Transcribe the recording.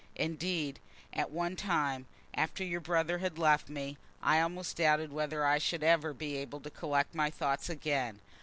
Indeed, at one time, after your brother had left me, I almost doubted whether I should ever be able to collect my thoughts again.